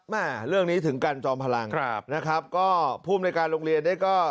เรื่องนี้ถึงกันจอมพลังครับนะครับก็ภูมิในการโรงเรียนได้ก็